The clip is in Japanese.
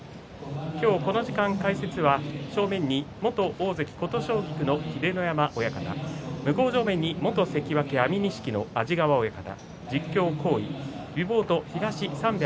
この時間、解説は正面、元大関琴奨菊の秀ノ山親方向正面に元関脇安美錦の安治川親方。